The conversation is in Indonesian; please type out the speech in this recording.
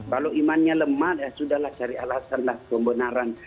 kalau imannya lemah ya sudah lah cari alasan lah kebenaran